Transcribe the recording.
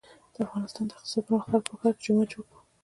د افغانستان د اقتصادي پرمختګ لپاره پکار ده چې جومات جوړ کړو.